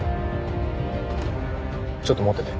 ちょっと持ってて。